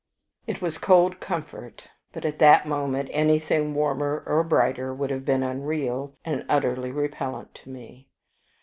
It was cold comfort, but at that moment anything warmer or brighter would have been unreal and utterly repellent to me.